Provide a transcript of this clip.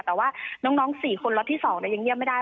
แต่ว่าน้องสี่คนละที่๒ยังเยี่ยมไม่ได้